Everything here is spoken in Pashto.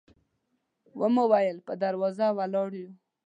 و مو ویل په دروازه ولاړ یو.